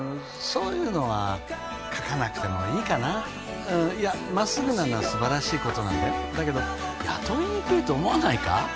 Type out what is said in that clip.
そういうのは書かなくてもいいかなうんいやまっすぐなのは素晴らしいことなんだよだけど雇いにくいと思わないか？